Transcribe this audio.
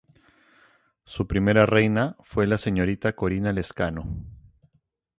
Su primera reina fue la señorita Corina Lezcano.